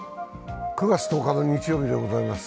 ９月１０日の日曜日でございます。